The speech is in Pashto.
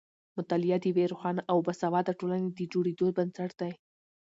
مطالعه د یوې روښانه او باسواده ټولنې د جوړېدو بنسټ دی.